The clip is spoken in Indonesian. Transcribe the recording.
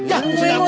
hah terserah lo